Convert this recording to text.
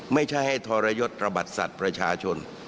ไม่ใช่ให้ทรยศระบัดสัตว์ประชาชน